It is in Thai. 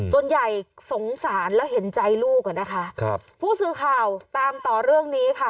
ส่วนใหญ่สงสารแล้วเห็นใจลูกอ่ะนะคะครับผู้สื่อข่าวตามต่อเรื่องนี้ค่ะ